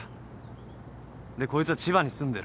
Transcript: でこいつは千葉に住んでる。